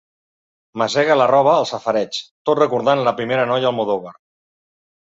Masega la roba al safareig tot recordant la primera noia Almodóvar.